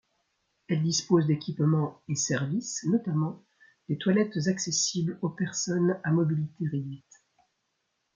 Elle dispose d'équipements et services, notamment des toilettes accessibles aux personnes à mobilité réduite.